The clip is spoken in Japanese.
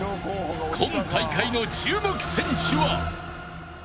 今大会の注目選手は。